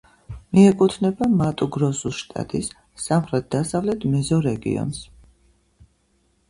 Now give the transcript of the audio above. მიეკუთვნება მატუ-გროსუს შტატის სამხრეთ-დასავლეთ მეზორეგიონს.